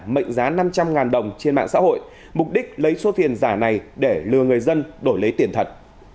mệnh giá năm trăm linh đồng trên mạng xã hội mục đích lấy số tiền giả này để lừa người dân đổi lấy tiền thật